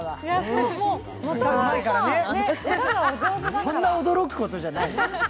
そんな驚くことじゃない。